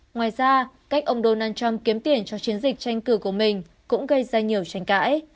ngoài ra cách ông donald trump kiếm tiền cho chiến dịch tranh cử của mình cũng gây ra nhiều tranh cãi